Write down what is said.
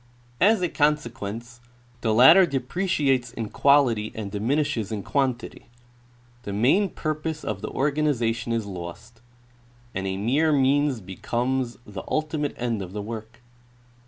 As a consequence the latter depreciates in quality and diminishes in quantity ; the main purpose of the organization is lost, and a mere means becomes the ultimate end of the work.